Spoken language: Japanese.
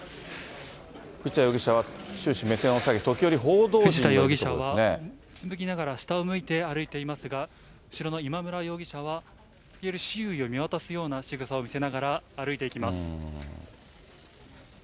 藤田容疑者は終始目線を下げて、藤田容疑者はうつむきながら下を向いて歩いていますが、後ろの今村容疑者は、時折周囲を見渡すようなしぐさを見せながら歩いていきます。